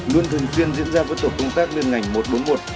luôn thường xuyên diễn ra với tổ công tác liên ngành một trăm bốn mươi một